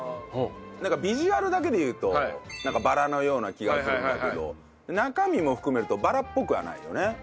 なんかビジュアルだけで言うとバラのような気がするんだけど中身も含めるとバラっぽくはないよね。